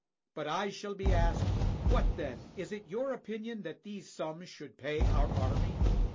But I shall be asked, What then, is it your opinion that these sums should pay our army?